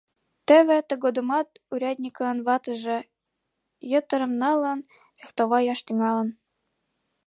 Теве тыгодымат урядникын ватыже, йытырым налын, фехтоваяш тӱҥалын.